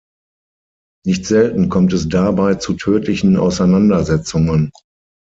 Nicht selten kommt es dabei zu tödlichen Auseinandersetzungen.